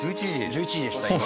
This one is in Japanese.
１１時でした今。